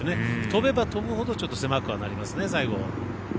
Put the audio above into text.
飛べば飛ぶほどちょっと狭くはなりますね、最後。